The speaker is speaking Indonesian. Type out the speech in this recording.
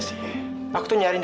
saya itu nyari dari tadi